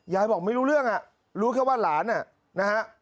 บอกไม่รู้เรื่องอ่ะรู้แค่ว่าหลานนะฮะ